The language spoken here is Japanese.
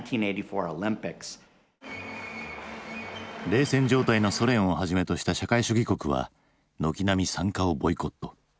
冷戦状態のソ連をはじめとした社会主義国は軒並み参加をボイコット。